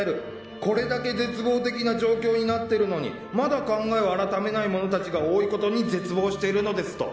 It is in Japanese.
「これだけ絶望的な状況になってるのにまだ考えを改めない者たちが多いことに絶望しているのです」と。